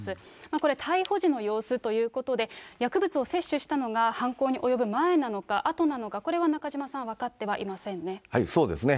これ、逮捕時の様子ということで、薬物を摂取したのが犯行に及ぶ前なのか、あとなのか、これは中島さん、そうですね。